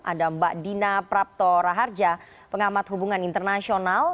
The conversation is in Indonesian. ada mbak dina prapto raharja pengamat hubungan internasional